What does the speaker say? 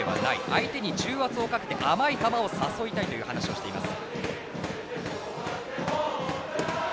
相手に重圧をかけて甘い球を誘いたいという話をしています。